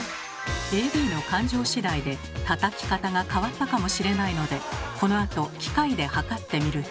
ＡＤの感情次第でたたき方が変わったかもしれないのでこのあと機械で測ってみると。